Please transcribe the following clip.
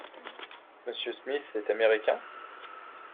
Monsieur Smith est américain ?